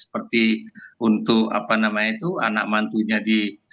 seperti untuk apa namanya itu anak mantunya di